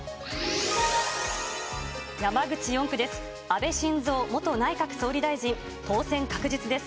山口４区です。